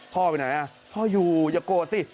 พ่อไปไหนอ่ะพ่ออยู่อย่าโกรธสิ